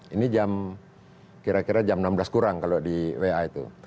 ini jam kira kira jam enam belas kurang kalau di wa itu